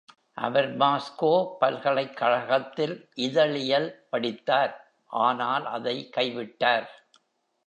அவர் Moscow பல்கலைக்கழகத்தில் இதழியல் படித்தார், ஆனால் அதை கைவிட்டார்.